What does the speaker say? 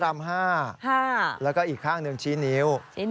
แล้วก็อีกข้างหนึ่งชี้นิ้ว